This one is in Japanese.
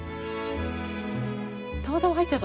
たまたま入っちゃったの？